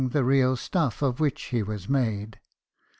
the real stuff of which he was made.